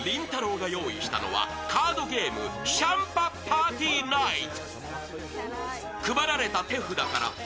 りんたろーが用意したのはカードゲーム、「シャンパッパーティーナイト」。